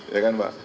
ya kan pak